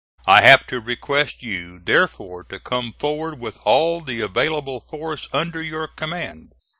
I have to request you, therefore, to come forward with all the available force under your command.